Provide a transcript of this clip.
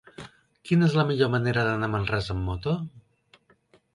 Quina és la millor manera d'anar a Manresa amb moto?